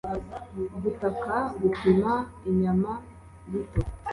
gukata-gupima inyama bito